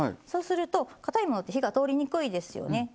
そうするとかたいものって火が通りにくいですよね。